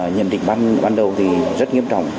nhận định ban đầu thì rất nghiêm trọng